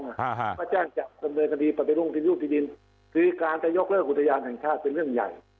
ก็แจ้งจากสำเนยคณีปฏิรุงที่ยุทธิบินสิริการจะยกเลิกหุตยานแห่งชาติเป็นเรื่องใหญ่